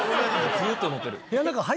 ずっと乗ってる。